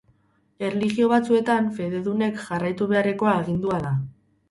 Erlijio batzuetan fededunek jarraitu beharrekoa agindua da.